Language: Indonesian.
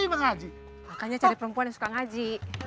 mengaji makanya cari perempuan yang suka ngaji